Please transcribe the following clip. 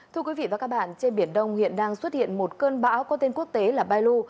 thưa quý vị và các bạn trên biển đông hiện đang xuất hiện một cơn bão có tên quốc tế là bailu